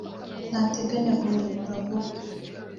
ntategenya kuburekura vuba